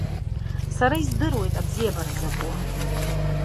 Сара издыруеит абзиабара закәу.